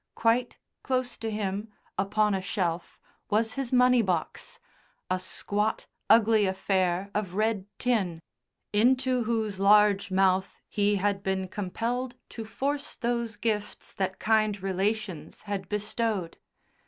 Quite close to him, upon a shelf, was his money box, a squat, ugly affair of red tin, into whose large mouth he had been compelled to force those gifts that kind relations had bestowed.